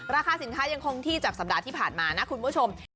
ราคาสินค้ายังคงที่จากสัปดาห์ที่ผ่านมานะคุณผู้ชม